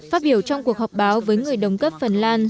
phát biểu trong cuộc họp báo với người đồng cấp phần lan